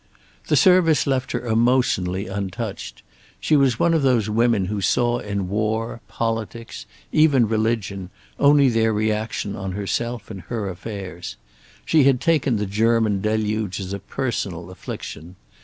The service left her emotionally untouched. She was one of those women who saw in war, politics, even religion, only their reaction on herself and her affairs. She had taken the German deluge as a personal affliction.